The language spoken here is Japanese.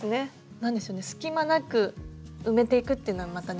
何でしょうね隙間なく埋めていくっていうのはまたね